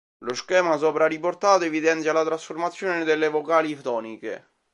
Lo schema sopra riportato evidenzia la trasformazione delle vocali toniche.